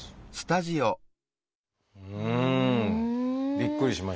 びっくりしました。